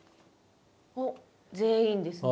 おっ全員ですね。